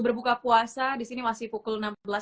berbuka puasa disini masih pukul enam belas tiga puluh tiga